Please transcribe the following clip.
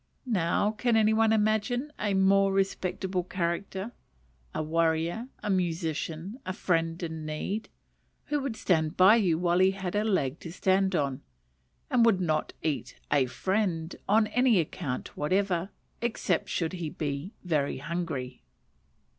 Now can any one imagine a more respectable character? a warrior, a musician, a friend in need, who would stand by you while he had a leg to stand on, and would not eat a friend on any account whatever except he should be very hungry.